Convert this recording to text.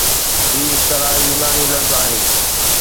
هي اصطلاح يوناني لفظ آهي